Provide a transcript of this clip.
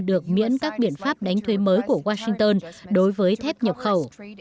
được miễn các biện pháp đánh thuế mới của washington đối với thép nhập khẩu